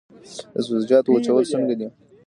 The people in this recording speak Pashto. د سبزیجاتو وچول څنګه دي؟